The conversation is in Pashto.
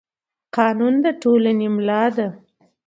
قانون د ټولنې ملا ده